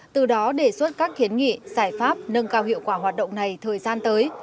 từ đó đề xuất các kiến nghị giải pháp nâng cao hiệu quả hoạt động này thời gian tới